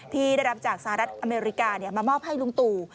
ที่ได้รับจากสหรัฐอเมริกามามอบให้ลุงตู่